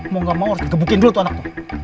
mau gak mau harus dikebukin dulu tuh anak tuh